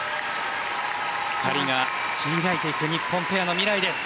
２人が切り開いていく日本ペアの未来です。